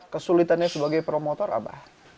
kesulitannya sebagai promotor apa